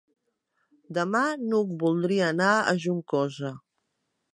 Demà n'Hug voldria anar a Juncosa.